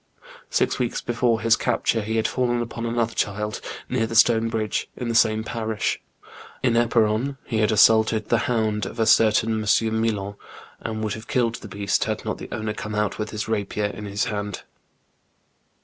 Six weeks before his capture he had fallen upon another child, near the stone bridge, in the same parish. In Eparon he had assaulted the hound of a certain M. Millon, and would have killed the beast, had not the owner come out with his rapier in his hand.